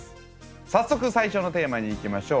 早速最初のテーマにいきましょう。